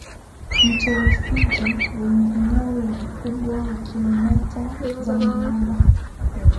Mto Rufiji wenye eneo la ukubwa wa kilometa za mraba